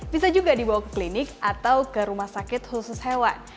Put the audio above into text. bisa juga dibawa ke klinik atau ke rumah sakit khusus hewan